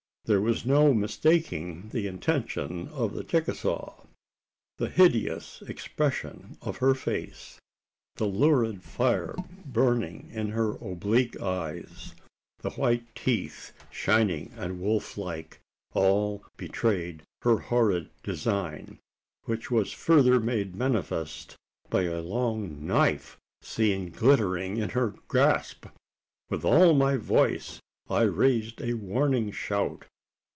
There was no mistaking the intention of the Chicasaw. The hideous expression of her face the lurid fire burning in her oblique eyes the white teeth shining and wolf like all betrayed her horrid design; which was further made manifest by a long knife seen glittering in her grasp! With all my voice I raised a warning shout!